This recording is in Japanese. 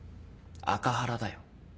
アカハラだよ。